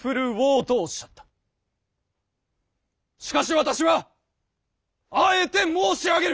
しかし私はあえて申し上げる。